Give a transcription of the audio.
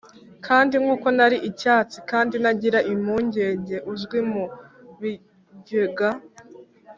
kandi nkuko nari icyatsi kandi ntagira impungenge, uzwi mu bigega